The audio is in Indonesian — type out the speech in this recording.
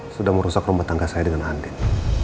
sudah merusak rumah tangga saya dengan handet